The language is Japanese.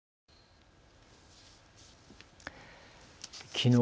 きのう